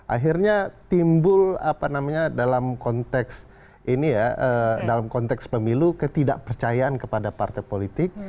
akhirnya timbul dalam konteks pemilu ketidakpercayaan kepada partai politik